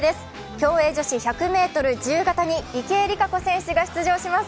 競泳女子１００ｍ自由形に池江璃花子選手が出場します。